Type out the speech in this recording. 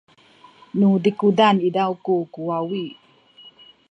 nu zikuzan izaw ku kuwawi